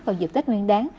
vào dịp tết nguyên đáng